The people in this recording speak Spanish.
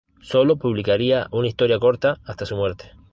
Sólo publicaría una historia corta hasta su muerte.